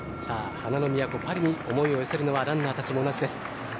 花の都・パリに思いを寄せるのはランナーたちも同じです。